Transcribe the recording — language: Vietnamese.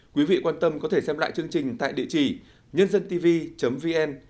quý vị quan tâm có thể xem lại chương trình tại địa chỉ nhândântv vn